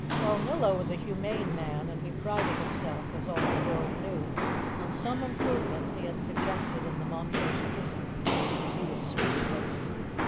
Balnillo was a humane man, and he prided himself, as all the world knew, on some improvements he had suggested in the Montrose prison. He was speechless.